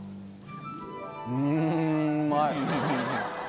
うんまい。